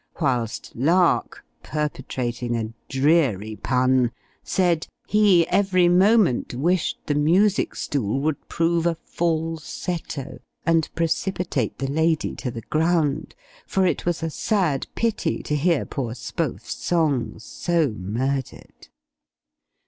whilst Lark (perpetrating a dreary pun) said, he every moment wished the music stool would prove a fall setto, and precipitate the lady to the ground; for it was a sad pity to hear poor Spohf's songs so murdered.